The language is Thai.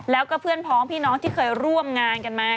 แล้วก็เพื่อนพ้องพี่น้องที่เคยร่วมงานกันมา